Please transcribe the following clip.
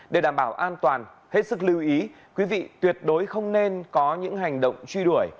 để đảm bảo an toàn hết sức lưu ý quý vị tuyệt đối không nên có những hành động truy đuổi